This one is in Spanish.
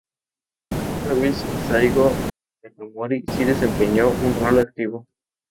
Esta vez, Saigo Takamori si desempeñó un rol activo.